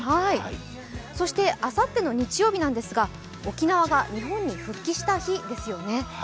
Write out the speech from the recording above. そしてあさっての日曜日なんですが沖縄が日本に復帰した日ですよね。